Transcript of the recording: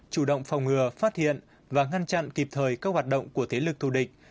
chủ động phòng ngừa phát hiện và ngăn chặn kịp thời các hoạt động của thế lực thù địch